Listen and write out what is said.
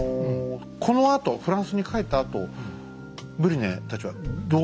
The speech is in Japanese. このあとフランスに帰ったあとブリュネたちはどうなったんですか？